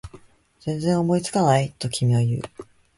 全然思いつかない？と君は言う